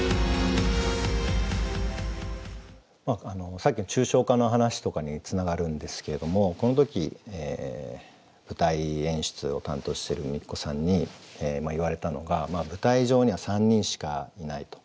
さっきの抽象化の話とかにつながるんですけれどもこの時舞台演出を担当してるＭＩＫＩＫＯさんに言われたのが舞台上には３人しかいないと。